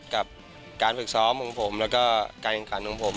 การฝึกซ้อมของผม